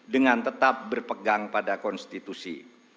dengan tetap berpegang pada konstitusi